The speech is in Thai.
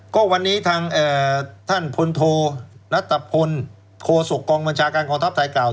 ก็วันนี้ท่านพลโทณตภพลโฆษกองบัญชาการครอบทรัพย์ไทยกล่าว